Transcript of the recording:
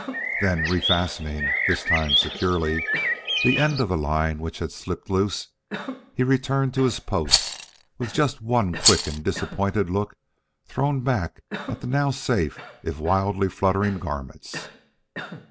Then refastening this time securely the end of the line which had slipped loose, he returned to his post, with just one quick and disappointed look thrown back at the now safe if wildly fluttering garments.